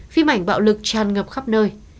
phim ảnh bạo lực tràn ngập khắp nơi